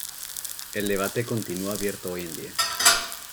El debate continúa abierto hoy en día.